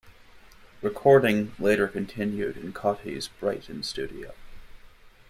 Recording later continued in Cauty's Brighton studio.